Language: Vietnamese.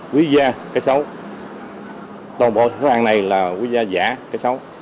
quý gia ca sấu đồng bộ hàng này là quý gia giả ca sấu